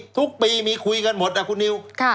ทุกปีมีคุยกันหมดนะคุณนิว